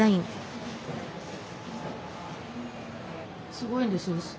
すごいんですよ。